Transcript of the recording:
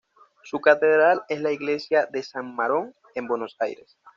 Su catedral es la iglesia de "San Marón" en Buenos Aires.